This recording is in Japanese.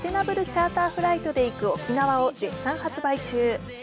チャーターフライトで行く沖縄を絶賛発売中。